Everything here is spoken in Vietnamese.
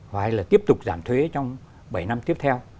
phải là tiếp tục giảm thuế trong bảy năm tiếp theo